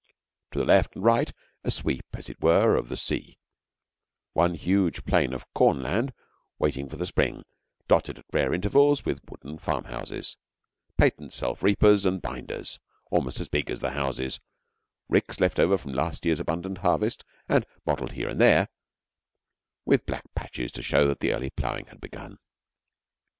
To the left and right, a sweep as it were of the sea, one huge plain of corn land waiting for the spring, dotted at rare intervals with wooden farmhouses, patent self reapers and binders almost as big as the houses, ricks left over from last year's abundant harvest, and mottled here and there with black patches to show that the early ploughing had begun.